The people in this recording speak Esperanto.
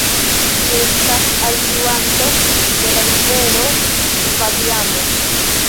Ĝi estas alfluanto de la rivero Gvadiano.